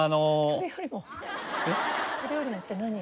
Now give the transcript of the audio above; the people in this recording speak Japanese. それよりもって何を。